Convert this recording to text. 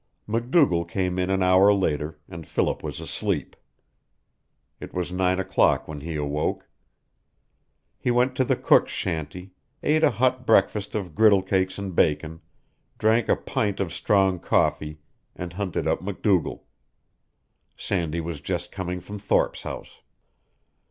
MacDougall came in an hour later, and Philip was asleep. It was nine o'clock when he awoke. He went to the cook's shanty, ate a hot breakfast of griddle cakes and bacon, drank a pint of strong coffee, and hunted up MacDougall. Sandy was just coming from Thorpe's house.